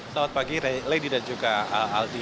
selamat pagi lady dan juga aldi